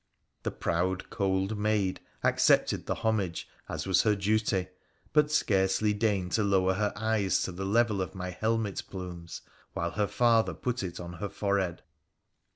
The proud, cold maid accepted the homage as was her duty, but scarcely deigned to lower her eyes to the level of my helmet plumes while her father put it on her forehead.